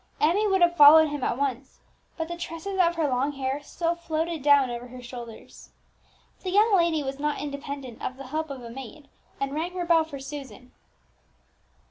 Emmie would have followed him at once, but the tresses of her long hair still floated down over her shoulders. The young lady was not independent of the help of a maid, and rang her bell for Susan.